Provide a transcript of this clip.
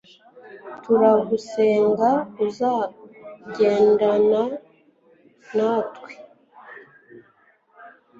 turagusenga uzagendana natwe